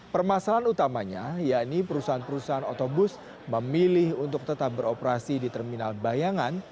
permasalahan utamanya yakni perusahaan perusahaan otobus memilih untuk tetap beroperasi di terminal bayangan